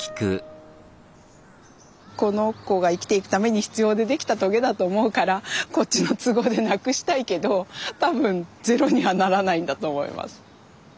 この子が生きていくために必要でできたトゲだと思うからこっちの都合でなくしたいけど多分ゼロにはならないんだと思います。